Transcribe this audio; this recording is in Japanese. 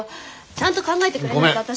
ちゃんと考えてくれないと私。